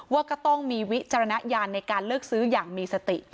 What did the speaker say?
ว่าก็ต้องมีวิจารณญาณในการเลือกซื้ออย่างมีสติ